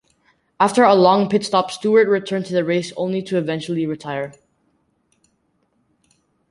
After a long pit stop, Stewart returned to the race only to eventually retire.